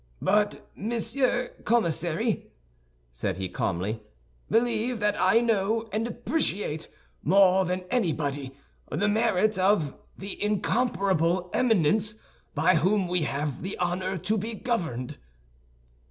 "But, Monsieur Commissary," said he, calmly, "believe that I know and appreciate, more than anybody, the merit of the incomparable eminence by whom we have the honor to be governed."